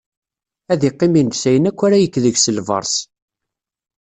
Ad iqqim inǧes ayen akk ara yekk deg-s lberṣ.